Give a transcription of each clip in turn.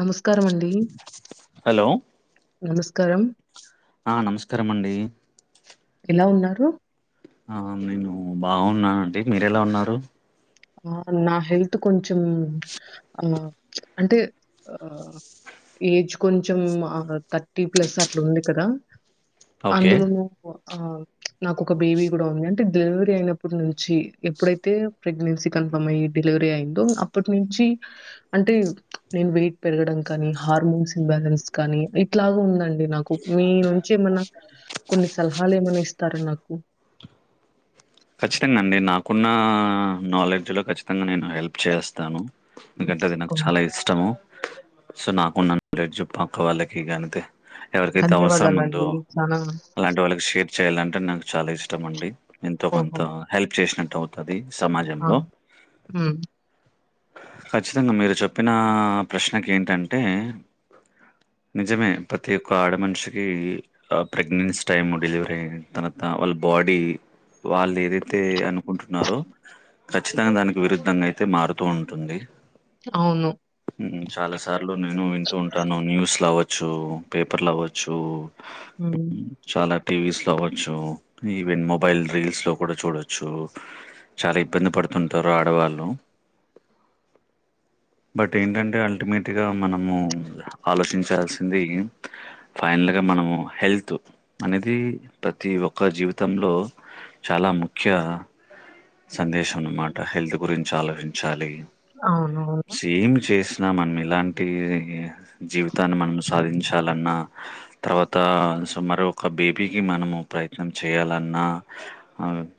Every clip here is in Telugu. నమస్కారమండి హలో నమస్కారం ఆ నమస్కారమండి ఎలా ఉన్నారు ఆ నేను బాగున్నానండి మీరు ఎలా ఉన్నారు ఆ నా హెల్త్ కొంచెం ఆ అంటే ఆ ఏజ్ కొంచెం ఆథర్టీ ప్లస్ అట్లా ఉంది కదా ఓకే అందులో ను ఆ నాకు ఒక బేబీ కూడా ఉంది అంటే డెలివరీ అయిన అప్పుడు నుంచి ఎప్పుడైఅయితే ప్రెగ్నెన్సీ కన్ఫామయి డెలివరి అయిందో అప్పటి నుంచి అయితే నేను వైట్ పెరగడానికి అని హ హార్మోన్స్ ఇంబ్యాలెన్స్ కానీ ఇట్లాగ ఉంద అండి నాకు మీ నుంచి ఏమ అన్నా కొన్ని సలహాలు ఏమ అన్న ఇస్తారా నాకు ఖచ్చితంగా అండి నాకున్న నాలెడ్జ్లో ఖచ్చితంగా నేను హెల్ప్ చేస్తాను ఎందుకంటే అది నాకు ఓహ్! చాలా ఇష్టము సో నాకు ఉన్న లేట్ చుప్పు అక్క వాళ్ళ దగ్గరకి గాని ఏళితే ఎవరికై అయితే అవసరం ఉందో ధన్యవాదాలండి. చాలా అలాంటి వాళ్ళకి షేర్ చేయాలంటే నాకు చాలా ఇష్టం అండి ఎంతో మంద్ ఓహో! తో హెల్ప్ చేసినట్టు అవుత అది ఆ! సమాజంలో హ్మ్. ఖచ్చితంగా మీరు చెప్పిన ప్రశ్నకు ఏంట అంటే నిజమే ప్రతి ఒక్క ఆడ మనిషికి ప్రెగ్నెన్సీ టైమ్ డెలివరీ అయిన తనవాత వాళ్ళ బాడీ వాళ్ళు ఏదై అర్తే అనుకుంటు ఉన్నారో ఖచ్చితంగా దానికి విరుద్ధంగా అయితే మారుతూ ఉంటుంది అవును చాలా సార్లు నేను వింటూ ఉంటాను న్యూస్లు అవ్వచ్చు పేపర్లు అవ్వ అచ్చు హ్మ్. చాలా టీవీస్ లో అవచ్చు ఈవెన్ మొబైల్ రీల్స్ లో కూడా చూడొచ్చు చాలా ఇబ్బంది పడు పడుతుంటారు ఆడవాళ్ళు బట్ ఏంట అంటే అల్టిమేట్ గా మనము ఆలోచించ చలసింది ఫైనల్గా మనము హెల్త్ అనేది ప్రతి ఒక్క జివ్ వితంలో చాలా ముఖ్య సందేశం అన్నమాట హెల్త్ గురించి ఆలోచించాలి అవును అవును సేమ్ చేసినా మనం ఇలాంటి ఈ జీవితాన్ని మనం సాధించాలఅన్నా తర్వాత సో మర ఒక బేబీకి మనము ప్రయత్నం చేయాల అన్నా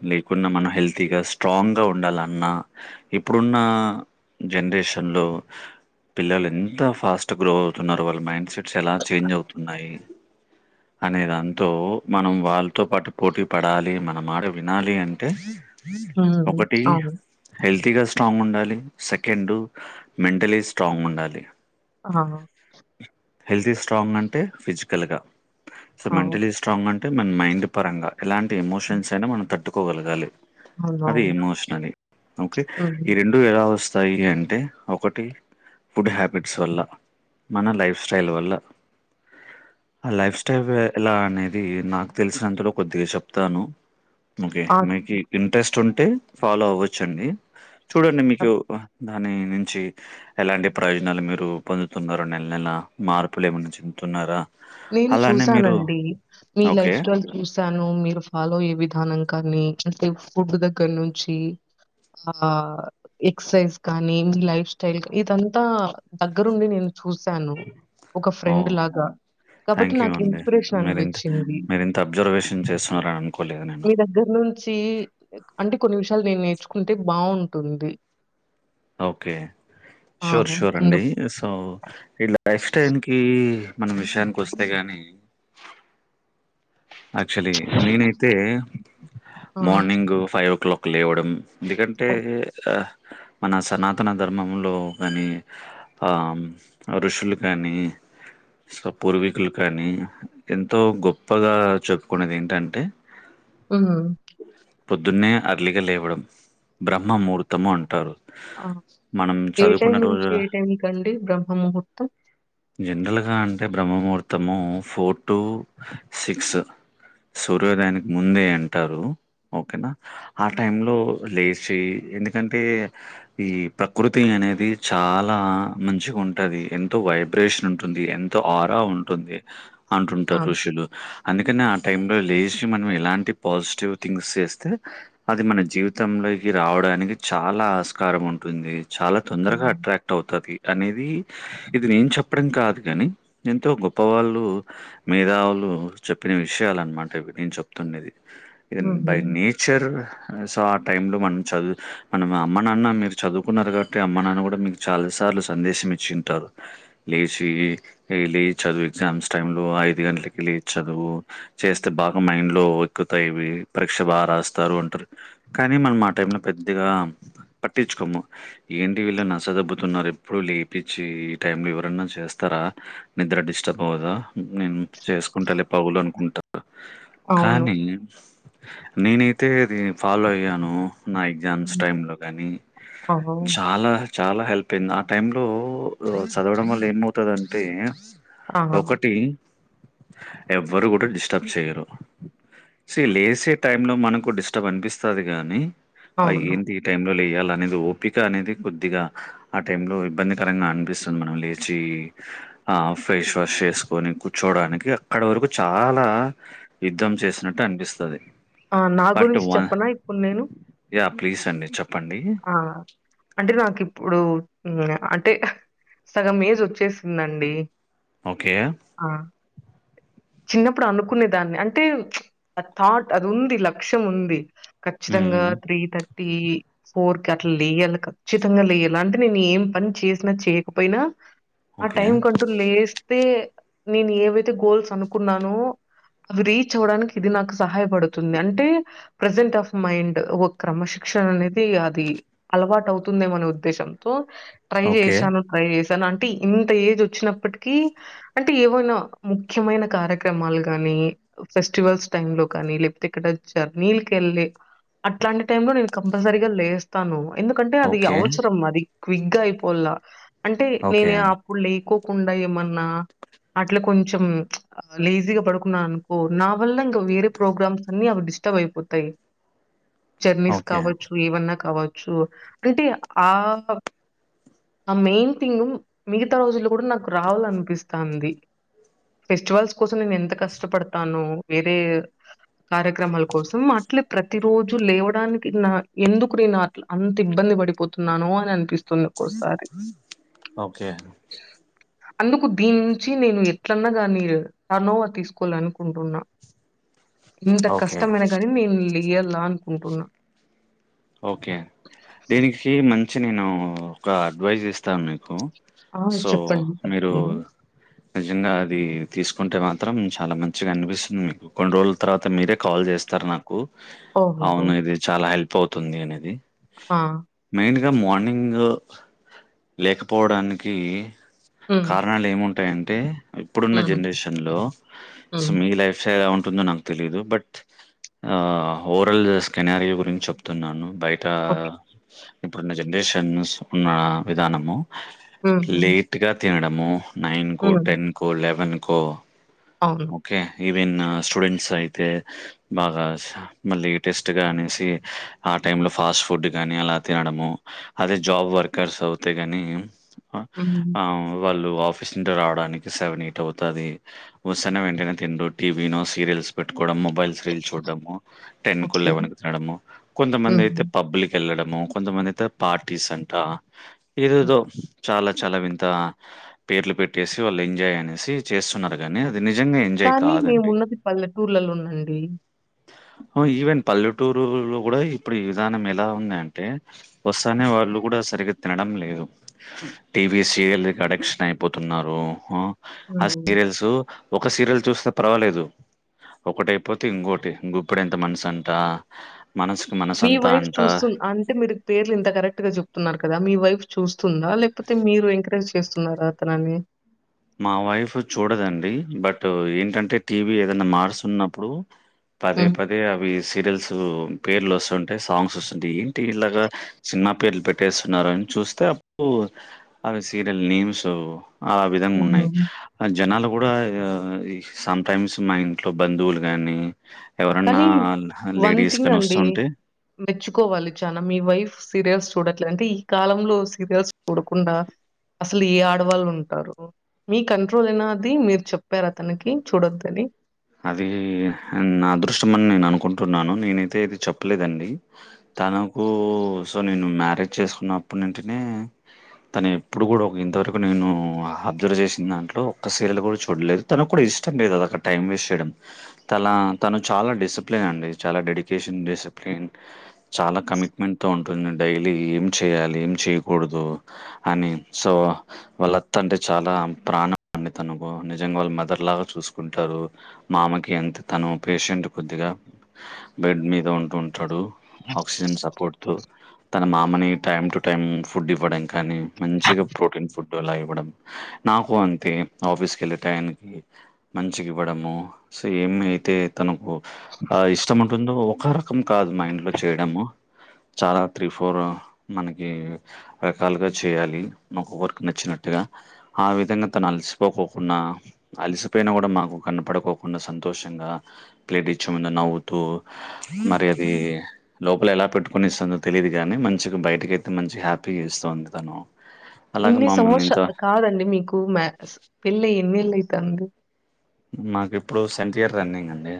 లేకు ఉన్నా మనం హెల్త్ గా స్ట్రాంగ్ గా ఉండాల అన్నా ఇప్పుడు ఉన్న జనరేషన్ లో పిల్లలు ఎంత ఫాస్ట్ గ్రో అవుతు ఉన్నారు వాళ్ళ మైండ్ సెట్ స్ చాలా చేంజ్ అవుతు ఉన్నాయి అనే దాంతో మనం వాళ్ళతో పాటు పోటీ పడాలి మన మాడ వినాలి అంటే హ్మ్. ఒకటి అవును. హెల్త్ త్తిగా స్ట్రాంగ్ ఉండాలి సెకండ్ మెంటలీ స్ట్రాంగ్ ఉండాలి ఆహా హెల్త్ స్ట్రాంగ్ అంటే ఫిజికల్గా సో ఆ! మెంటలీ స్ట్రాంగ్ అంటే మన మైండ్ పరంగా ఎలాంటి ఎమోషన్స్ అయినా మనం తట్టుకోగలగాలి అది అవునవును. ఎమోషనలే ఒకె హ్మ్. ఈ రెండ విరవస్ చయి అంటే ఒకటి ఫుడ్ హ్యాబిట్స్ వల్ల మన లైఫ్ స్టైల్ వల్ల ఆ లైఫ్ స్టైల్ ఎలా అనేది నాకు తెలిసినంతలో కొద్దిగా చెప్తాను ఓకే ఆ! మీకు ఇంట్రెస్ట్ ఉంటే ఫాలో అవ్వచ్చ అండి చూడండి మీకు తప్ దాని నుంచి ఎలాంటి ప్రయోజనాలు మీరు పొందుతున్నారో నెల నెల మార్పులు ఏమైన అచ్చి కున్నారా నేను చూశానండి మీ ఓకే. లైఫ్ స్టైల్ చూశాను మీరు ఫాలోయ్యే విధానం కానీ ఐతే ఫుడ్ దగ్గర నుంచి ఆ ఎక్ససైజ్ కానీ మీ లైఫ్ స్టైల్ ఇదంతా దగ్గరుండి నేను చూశాను ఒక ఫ్రెండ్ ఓహ్! లాగ థ్యాంక్ యూ అండి మీరింత మీరింత అబ్జర్వేషన్ చేస్తున్నారని అనుకోలేదు నేను నుంచీ అంటె కొన్ని విషయాలు నేను నేర్చుకుంటె బాగుంటుంది ఓకే ష్యూర్ షూర్ అండి అందుకు. సో ఇలా లైఫ్ స్టైల్ కీ మనం విషయానికి కొస్తే గాని యాక్చువల్లీ నేనైతే ఆ! మార్నింగ్ ఫైవ్ ఓ క్లాక్ లేవడం ఎందుకంటే అ మన సనాతన ధర్మంలో కానీ ఆ ఋషులు కానీ సో పూర్వీకులు కానీ ఎంతో గొప్పగా చెప్పుకునేది ఏంటంటె ఉమ్ ప్రొద్దున్నే అర్లిగ లేవడం బ్రహ్మ ముహూర్తము అంటారు ఆహా మనం ఏ టైమ్ చదువుకున్న నుంచి రోజున ఏ టైం కండి బ్రహ్మ ముహూర్తం జనరల్గా అంటె బ్రహ్మ ముహూర్తము ఫోర్ టు సిక్స్ సూర్యోదయానికి ముందే అంటారు ఓకే న ఆ టైం లో లేశి ఎందుకంటే ఈ ప్రకృతి అనేది చాలా మంచిగ ఉంటుది ఎంతో వైబ్రేషన్ ఉంటుంది ఎంతో ఆరా ఉంటుంది ఆ! అంటుంటారు ఋషులు అ అందుకని ఆ టైం లో లేచి మనం ఎలాంటి పాజిటివ్ థింగ్స్ చేస్తే అది మన జీవితంలో రావడానికి చాలా ఆస్కారం ఉంటుంది చాలా తొందరగా హ్మ్. అట్రాక్ట్ అవుతది అనేది ఇది నేను చెప్పడం కాదు కని ఎంతో గొప్ప వాళ్ళు మేధావులు చెప్పిన విషయలు అన్నమాట ఇవి నేను చెప్తున్నది ఇది హుహు. బై నేచర్ ఆ స టైం లో మనం చదువు మనం అమ్మ నాన్న మీరు చదువుకున్నరు కాబట్టి అమ్మ నాన్న కూడ మీకు చాల సార్లు సందేశించ చుంటారు లేచి ఏ లే చదువు ఎగ్జామ్స్ టైం లో ఐదు గంటలకి లేచ్ చదువు చేస్తే బాగ మైండ్ లో ఎక్కుతయ్ ఇవి పరీక్ష బాగ రాస్తరు అంటారు క కానీ మనం ఆ టైం లో పెద్దగా పట్టించుకోము ఏంటి వీళ్ళు నస దొబ్బుతున్నారు ఎప్పుడు లే పించి ఈ టైమ్ లో ఎవరన్నా చేస్తరా నిద్ర డిస్టర్బ్ అవదా నేను చేస్ కుంటల పగులు అనుకుంటరు అవును. కానీ నేనైతే అది ఫాలో అయ్యాను నా ఎగ్జామ్స్ హ్మ్. టైమ్ లో కాని ఓహో! చాల చాలా హెల్ప్ అయింది ఆ టైం లో చదవడం వల్ల ఏమవుతదంటే ఆహా! ఒకటి ఎవ్వరు కూడ డిస్టర్బ్ చేయరు సె లేసే టైం లో మనకు డిస్టర్బ్ అనిపిస్తది గాని అ అవును. ఏంటి టైంలో లే చేయాల అనేది ఓపిక అనేది కొద్దిగ ఆ టైం లో ఇబ్బందికరంగ అనిపిస్తుంది మనం లేచి ఆ ఫేస్ వాష్ చేసుకొని కూర్చోడానికి అక్కడ వరకు చాల యుద్ధం చేసినట్టు అనిపిస్తది ఆ నా పార్ట్ గురించి వన్ చెప్పనా ఇప్పుడు నేను యా ప్లీజ్ అండి చెప్ ఆ అంటె నాకి ఇప్పుడు అ అంటె హ్ సగం ఏజ్ వచ్చేసిందండి ఓకే చిన్నప్పుడు అనుకునేదాన్ని అంటే అ థాట్ అది ఉంది లక్ష్యం ఉంది ఖచ్చితంగా మ్మ్ త్రీ థర్టీ ఫోర్కి అట్లా లేయాలి ఖచ్చితంగా లేయాలి అంటే నేను ఏం పని చేసినా చేయకపోయినా ఆ ఓకే టైం కంటూ లేస్తే నేను ఏవైతే గోల్స్ అనుకున్నానో అవి రీచ్ అవడానికి ఇది నాకు సహాయపడుతుంది అంటే ప్రజెంట్ ఆఫ్ మైండ్ ఒక క్రమశిక్ న అనేది అది అలవాటు అవుతుంది ఏమో అనే ఉద్దేశంతో ట్రై ఓకే చేశాను ట్రై చే తన అంటే ఇంత ఏజ్ వచ్చినప్పటికి అంటే ఏవైనా ముఖ్యమైన కార్యక్రమాలు గాని ని ఫెస్టివల్స్ టైం లో కానీ లేకపోతే ఇక్కడ జర్నీలు కెళ్ళి అట్లాంటి టై లో నేను క సరిగా లేస్తాను ఎందుకంటే అది ఓకే అవసరం అది క్విక్గా అయిపోల్లా అంటే ఓకే నేనే అప్పుడు లేకోకుండా ఏమన్నా అట్లా కొంచెం లేజీగా పడుకున్నా అనుకో నా వల్ల ఇంకా వేరే ప్రోగ్రామ్స్ అన్ని అవి డి టార్బ్ ఇష్టమైపోతాయి జర్నీస్ ఓకే కావచ్ ఏవన్నా కావచ్చు అంటే ఆ ఆ మెయిన్ థింగ్ మిగతా రోజుల్లో కూడా నాకు రావాలనిపిస్తాంది ఫెస్టివల్స్ కోసం నేను ఎంత కష్టపడతానో వేరే కార్యక్రమాల కోసం అట్లే ప్రతి రోజు లేవడానికి నా ఎందుకు నేన అట్ల అంత ఇబ్బంది పడిపోతున్నానో అని అనిపిస్ ఓకే అందుకు దీని నుంచి నేను ఎట్లన్నా కానీ టర్న్ ఓవర్ తీసుకోవాల అనుకుంటున్నా ఇంత ఓకే కష్టమైన ని నేను లేయల్ల అనుకుంటున్నా ఓకే దీనికి సీ మంచి నేను ఒక అడ్వైజ్ ఇస్తాను మీకు ఆ! సో చెప్పండి మీరు తప్పకుండా. నిజంగా అది తీసుకుంటే మాత్రం చాలా మంచిగా అనిపిస్తుంది మీకు కొన్ని రోజుల తర్వాత మీరే కాల్ చేస్తారు నా కు ఓహోహో! అవును ఇది చాలా హెల్ప్ అవుతుంది అనేది ఆ మెయిన్గా మార్నింగ్ లేకపోవడానికి హ్మ్. కారణాలు ఏము ఉంటాయంటే ఇప్పుడున్న హ్మ్. జనరేషన్లో సో హ్మ్. మీ లైఫ్ ఎ ఉంటుందో నాకు తెలిదు బట్ ఓవారల్ స్కెనార్యో గురించి చెప్తున్నాను బయ్ తా ఓకే. ఇప్పుడున్న జనరేషన్స్ ఉన్న విధానము హ్మ్. హ్మ్. లేట్గా తినడము నైన్కో హ్మ్. టెన్కో లెవెన్కో అవును. ఓకే ఈవెన్ స్టూడెంట్స్ అయితే బాగా మళ్ళీ టెస్ట్గా అనేసి ఆ టైం లో ఫాస్ట్ ఫుడ్ గాని అలా తినడము అదే జాబ్ వర్కర్స్ అవుతే గాని అ హ్మ్. ఆ వాళ్ళు ఆఫీస్ నుంచి రావడానికి సెవెన్ ఎయిట్ అవుతది ఒచ్చిన వెంటనే తిండు టీవినో సీరియల్స్ పెట్టు కూడా మొబైల్స్ రీల్ చూడ్డము టెన్కు ఓకే. లెవెన్కు తినడము కొంతమంది హ్మ్. అయితే పబ్బల్కి ఎళ్ళడం కొంతమందయితే పార్టీస్ అంటా హ్మ్. ఎదేదో చాలా చాలా వింత పేర్లు పెట్టేసి వాళ్ళు ఎంజాయ్ అనేసి చేస్తున్నారు కాని అది నిజంగా ఎంజాయ్ కానీ కాదండి మేమున్నది పల్లెటూర్లలోనండి. ఈవెన్ పల్లెటూరులో కూడా ఇప్పుడు ఈ విధానం ఎలా ఉంది అంటే వస్తానే వా ళ్ళు కూడా సరిగా తినడం లేదు టీవీ సీరియల్ కాడ ఎడిక్షన్ అయిపోతున్నారు ఆ ఆ హ్మ్. సీరియల్స్ ఒక సీరియల్ చూస్తే పర్వాలేదు ఒకటయిపోతే ఇంకోటి గుప్పెడంత మనిషి అంత మీ వైఫ్ చూస్తు అంటే మీరు పేర్లు ఇంత కరెక్ట్ గా చెప్తున్నారు కదా మీ వైఫ్ చూస్ స్తుందా లేకపోతే మీరు ఎంకరేజ్ చేస్తున్నారా అతనని మా వైఫ్ చూడదండి బట్ ఏంటంటే టీవీ ఏదైనా మార్సున్నప్పుడు పదే హ్మ్. పదే అవి సీరియల్స్ పేర్లు వస్తుంటే సాంగ్స్ వస్తుంటయి టీవీ లాగ సినిమా పేర్లు పెట్టేస్తున్నారు అని చూస్తే అప్పుడు అవి సీరియల్ నేమ్స్ ఆ విధం ఉన్నయి హ్మ్. ఆ జనాలు కూడా ఈ సటైమ్స్ మా ఇంట్లో బంధువులు గానీ కానీ వన్ థింగ్ అండి వస్తుంటే మెచ్చుకోవాలి చాన మీ వైఫ్ సీరియల్స్ చూడట్లే అంటే ఈ కాలంలో సీరియల్స్ చూడకుండా అసలు ఏ ఆడవాళ్ళు ఉంటారు మీ కంట్రోల్ యేనా అది మీరు చెప్పారా తనికి చూడొద్దని? అదీ నా అదృష్టంమని నేను అనుకుంటున్నాను, నేనైతే ఏది చెప్పలేదండి. తనకు సో నేను మ్యారేజ్ చేసుకున్నప్పటి నుంటినే తను ఎప్పుడు కూడ ఇంతవరకు నేను అబ్జర్వ్ చేసిన దాంట్లో ఒక్క సీరల్ కూడా చూడలేదు, తను కూడ ఇష్టం లేదు అదొక టైం వేస్ చెయడం తలా తను చాల డిసిప్లిన్ అండి చాల డెడికేషన్, డిసిప్లిన్ చా ల కమిట్మెంట్ తో ఉంటుంది డైలీ ఏం చేయాలి, ఏం చేయకూడదు అని సో వాళ్ళత్త అంటే చాలా ప్రాణం అండి తనకు నిజంగా వాళ్ళు మదర్ లాగా చూసుకుంటరు. మామకి ఎంత తను పేషెంట్ కొద్దిగా బెడ్ మీద ఉంటుంటడు ఆక్సిజన్ సపోర్ట్ తో తన మామని టైమ్ టు టైం ఫుడ్ ఇవ్వడం కానీ, మంచిగా ప్రోటీన్ ఫుడ్ అలా ఇవ్వడం, నాకు అంతే ఆఫీస్కి వెళ్ళే టైంకి మంచిగ ఇవ్వడము సేమ్య అయితే తనకు ఆ ఇష్టం ఉంటుందో ఒక రకం కాదు మా ఇంట్లో చేయడము చాలా త్రీ ఫోర్ మనకి రకాలుగా చేయాలి మాకు వర్క్ నచ్చినట్టుగా ఆ విధంగా తను అలసిపోకోకుండా అలిసిపోయినా కూడ మాకు కనపడుకో కుండ సంతోషంగా ప్లేట్ ఇచ్చే ముందు నవ్వుతూ మరి అది లోపల ఎలా దాపెట్టుకునిస్తుందో తెలియదు గాని, మంచిగ బయటకి అయితే మంచిగ హ్యాపీగా ఇస్తొంది తను. అలాగే ఇన్ని మమ్మల్ని ఇంత సంవత్సర కాదండి మీకు మ పెళ్ళయ్యి ఎన్నేళ్ళైతంది మాకు ఇప్పుడు సెంట్ ఇయర్ రన్నింగ్ అండి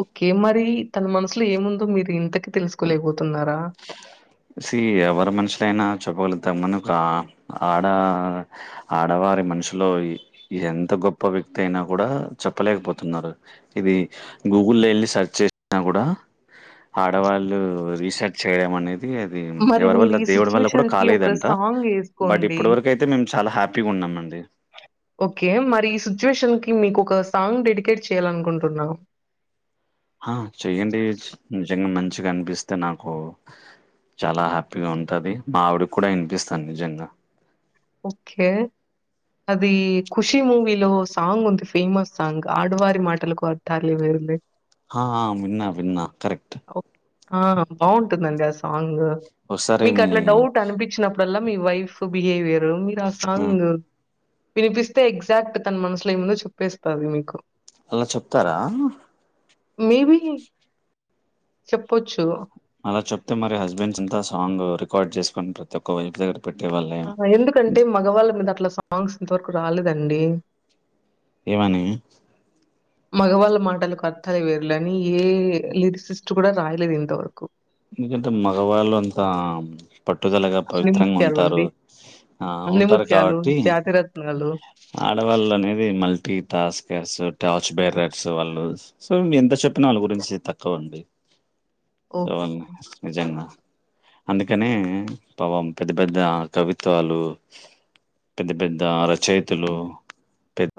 ఓకే మరి తన మనసులో ఏముందో మీరు ఇంతకి తెలుసుకోలేకపో సి ఎవరి మనుషులైనా చెప్పగలుగు తం మనకు ఆ ఆడా ఆడవారి మనుషులో ఎంత గొప్ప వ్యక్ తి అయినా కూడ చెప్పలేక పోతున్నారు ఇది గూగుల్లో వెళ్ళి సెర్చ్ చేసినా కూడా ఆడవాళ్ళు రీసెర్చ్ చేయడం అనేది అది అది మరి ఎవరి మీరు వల్ల ఈ దేవుడి వల్ల కూడ సిట్యుయేషన్‌కి ఒక కాలేదంట, సాంగ్ బట్ ఏసుకోండి. ఇప్పటి వరకు అయితే మేము చాలా హ్యాపీగా ఉన్ నమ్మండి ఓకే మరి ఈ సిచ్యుయేషన్ కి మీకు ఒక సాంగ్ డెడికేట్ చేయ్యాలనుకుంటున్నా హాఁ చెయ్యండి నిజంగా మంచిగా అనిపిస్తే నాకు చాల హ్యాపీగా ఉంటాది మా ఆవిడి కూడ వినిపిస్తాను నిజంగా. ఓకే అది ఖుషీ మూవీలో సాంగ్ ఉంది ఫేమస్ సాంగ్ ఆడువారి మాటలకు అర్థాలే వేరులే ఆ ఆ, విన్నా విన్నా కరెక్ట్ ఓక్ ఆఁ బాగుంటుందండి ఆ సాంగు ఒకసారి మీకు మీ అట్ల డౌట్ అనిపించినప్పు ఇప్పుడలా మీ వైఫ్ బిహేవయరు మీరు ఆసాంగ్ వినిపిస్తే ఎగ్జాక్ట్ తన మనసులో ఏముందో చెప్పేస్తాది మీకు అలా చెప్తారా మేబి చెప్పొచ్చు అలా చెప్తే మరి హస్బెండ్స్ అంతా సాంగ్ రికార్డ్ చేసుకుని ప్రతి ఒక్క వైఫ్ దగ్గర పెట్టేవాళ్ళే ఆ ఎందుకంటే మగవాళ్ళ మీద అట్లా సాంగ్స్ ఇంతవరకు రాలేదండి ఏమని మగవాళ్ళ మాటలకు అర్థాలే వేరులే అని ఏ లిరిక్సిస్ట్ కూడా రాయలేదు ఇంతవరకు ఎందుకంటే మగవాళ్ళు అంతా పట్టుదలగా పవిత్రంగా ఉంటారు ఆణిముత్యాలండి. ఆ ఉంటారు ఆణిముత్యాలు, కాబట్టి జాతిరత్నాలు ఆడవాళ్ళు అనేది మల్టీ టాస్కర్స్ టార్చ్ బేరర్స్ వాళ్ళు సో ఎంత చెప్పినా వాళ్ళ గురించి తక్కువండి ఓహ్! నిజంగా అందుకనే పాపమ్ పెద్ద పెద్ద కవిత్వాలు పెద్ద పెద్ద రచయితులు